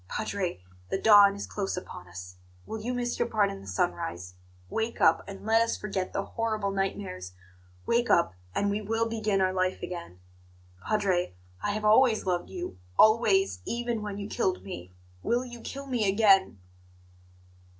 Padre, the dawn is close upon us will you miss your part in the sunrise? Wake up, and let us forget the horrible nightmares, wake up, and we will begin our life again! Padre, I have always loved you always, even when you killed me will you kill me again?"